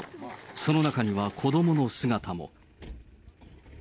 その中には子どもの姿も。